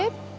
siapa di lab